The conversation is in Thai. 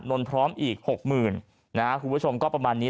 นอนพร้อมอีก๖๐๐๐๐บรายคุณผู้ชมก็ประมาณนี้